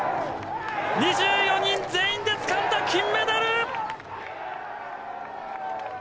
２４人全員でつかんだ金メダル！